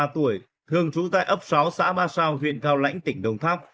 hai mươi ba tuổi thường trú tại ấp sáu xã ba sao huyện cao lãnh tỉnh đồng tháp